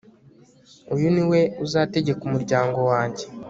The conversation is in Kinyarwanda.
uyu ni we uzategeka umuryango wanjye